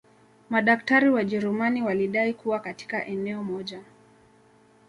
Madaktari Wajerumani walidai kuwa katika eneo moja